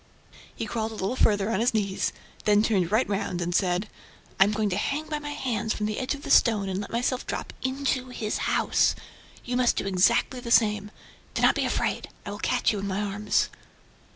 " He crawled a little farther on his knees, then turned right round and said: "I am going to hang by my hands from the edge of the stone and let myself drop INTO HIS HOUSE. You must do exactly the same. Do not be afraid. I will catch you in my arms."